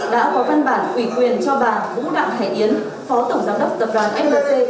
đã có văn bản quỷ quyền cho bà vũ đặng hải yến phó tổng giám đốc tập đoàn flc